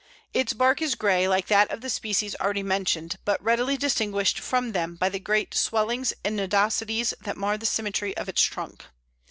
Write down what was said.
Its bark is grey, like that of the species already mentioned, but readily distinguished from them by the great swellings and nodosities that mar the symmetry of its trunk.